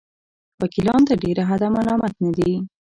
وکیلان تر ډېره حده ملامت نه دي.